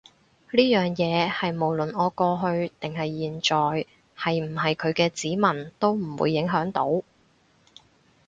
呢樣嘢係無論我過去定係現在係唔係佢嘅子民都唔會影響到